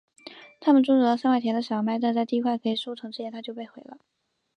他们种植了三块田的小麦但是在第一块可以收成之前它就被毁了。